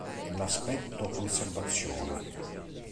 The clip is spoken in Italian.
È l'aspetto "conservazione".